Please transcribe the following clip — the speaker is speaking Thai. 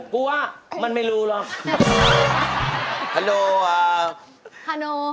กูว่ามันไม่รู้หรอก